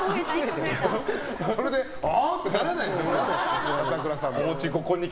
それでああ？ってならないから。